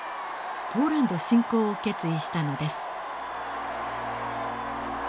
ポーランド侵攻を決意したのです。